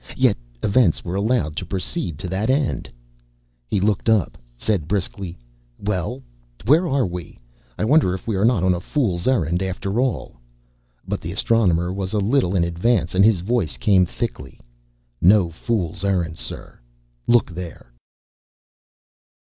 Yet events were allowed to proceed to that end." He looked up, said briskly, "Well, where are we? I wonder if we are not on a fool's errand after all." But the Astronomer was a little in advance and his voice came thickly. "No fool's errand, sir. Look there."